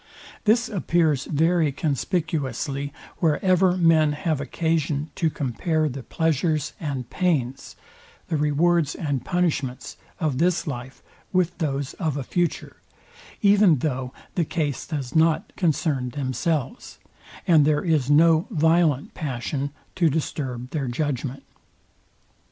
This appears very conspicuously wherever men have occasion to compare the pleasures and pains, the rewards and punishments of this life with those of a future; even though the case does not concern themselves, and there is no violent passion to disturb their judgment.